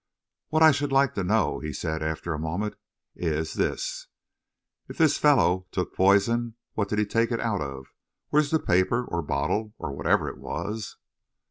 "What I should like to know," he said, after a moment, "is this: if this fellow took poison, what did he take it out of? Where's the paper, or bottle, or whatever it was?"